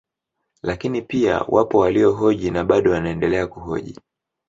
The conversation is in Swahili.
Lakini pia wapo waliohoji na bado wanaendelea kuhoji